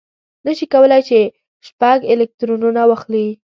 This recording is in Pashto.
نه شي کولای چې شپږ الکترونه واخلي.